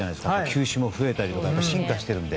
球種も増えたり進化してきて。